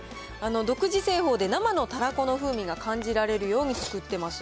独自製法で、生のたらこの風味が感じられるように作ってます。